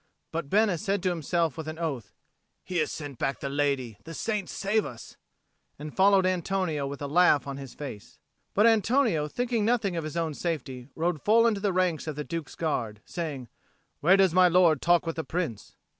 But Bena said to himself with an oath, "He has sent back the lady! The saints save us!" and followed Antonio with a laugh on his face. But Antonio, thinking nothing of his own safety, rode full into the ranks of the Duke's Guard, saying, "Where does my lord talk with the Prince?"